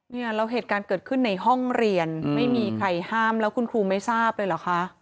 เนี่ยแล้วเหตุการณ์เกิดขึ้นในห้องเรียนไม่มีใครห้ามแล้วคุณครูไม่ทราบเลยเหรอคะ